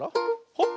ほっ！